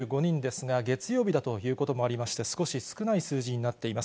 きのうが２３５人ですが、月曜日だということもありまして、少し少ない数字になっています。